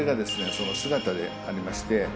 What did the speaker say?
その姿でありまして。